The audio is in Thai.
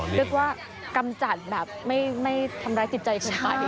เรียกว่ากำจัดแบบไม่ทำร้ายจิตใจคนไป